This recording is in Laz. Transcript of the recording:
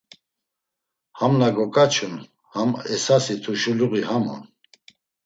Ham na goǩaçun, ham esasi t̆urşiluği ham on!